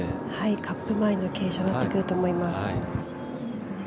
カップ前に傾斜上がってくると思います。